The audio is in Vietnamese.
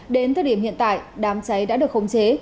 đến thời điểm hiện tại đám cháy đã được khống chế